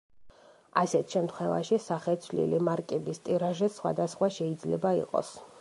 ასეთ შემთხვევაში სახეცვლილი მარკების ტირაჟი სხვა და სხვა შეიძლება იყოს.